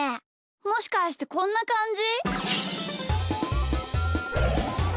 もしかしてこんなかんじ？